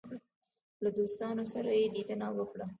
له دوستانو سره یې لیدنه وکړه.